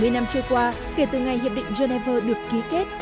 bảy mươi năm trôi qua kể từ ngày hiệp định geneva được ký kết